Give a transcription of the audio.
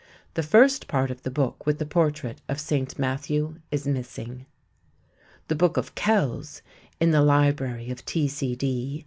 The first part of the book with the portrait of St. Matthew is missing. _The Book of Kells _(in the Library of T.C.D.)